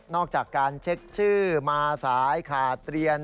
อกจากการเช็คชื่อมาสายขาดเรียน